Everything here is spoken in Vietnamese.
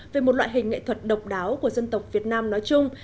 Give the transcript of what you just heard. về một loại hình nghệ thuật độc đáo của dân tộc việt nam nói chung